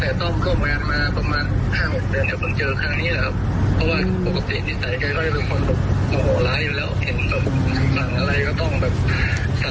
ซึ่งต่อต่อเช่นของก็มักเรื่องนี้กัน